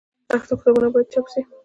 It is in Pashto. پښتو کتابونه باید چاپ سي.